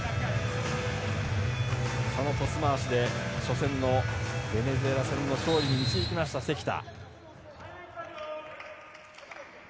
そのトス回しで初戦のベネズエラ戦を勝利に導きました、関田。